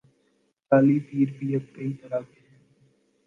جعلی پیر بھی اب کئی طرح کے ہیں۔